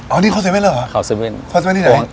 เอาเนี่ยเคราะห์เซเว่นไปเข้าเลยหรอเคราะห์เซเว่นที่ไหน